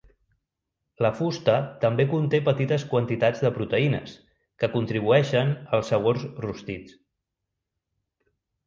La fusta també conté petites quantitats de proteïnes, que contribueixen als sabors rostits.